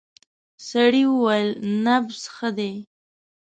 سړی وویل نبض ښه دی.